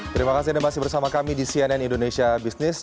terima kasih anda masih bersama kami di cnn indonesia business